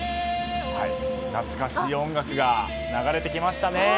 懐かしい音楽が流れてきましたね。